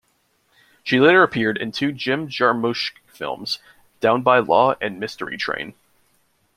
She later appeared in two Jim Jarmusch films, "Down by Law" and "Mystery Train".